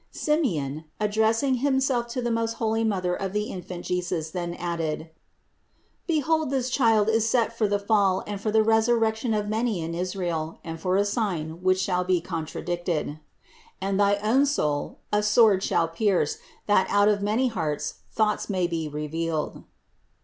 Simeon, addressing himself to the most holy Mother of the Infant Jesus, then added : "Behold this Child is set for the fall and for the resurrection of many in Israel, and for a sign which shall be contradicted. And thy own soul a sword shall pierce, that out of many hearts thoughts may be revealed."